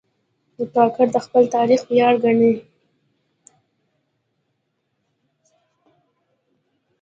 کاکړ د خپل تاریخ ویاړ ګڼي.